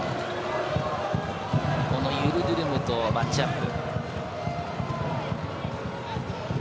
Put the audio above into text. ユルドゥルムとマッチアップ。